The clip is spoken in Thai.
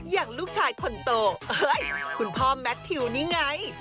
อย่างลูกชายคนโตเฮ้ยคุณพ่อแมททิวนี่ไง